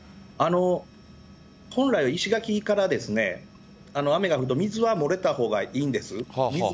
本来は石垣から雨が降ると水は漏れたほうがいいんです。